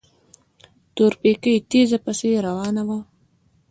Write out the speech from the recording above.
تورپيکۍ تېزه پسې روانه وه.